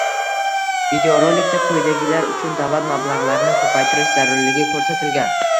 Videorolikda quyidagilar uchun davlat mablag'larini ko'paytirish zarurligi ko'rsatilgan: